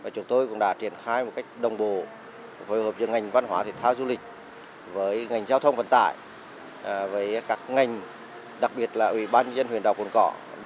chúng tôi cũng đã triển khai một cách đồng bộ với hợp giữa ngành văn hóa thể thao du lịch với ngành giao thông vận tải với các ngành đặc biệt là ủy ban nhân dân huyện đảo cồn cỏ